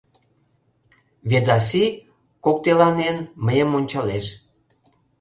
— Ведаси, коктеланен, мыйым ончалеш.